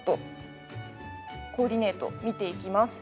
コーディネートを見ていきます。